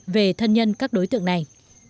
về thân nhân các đối tượng này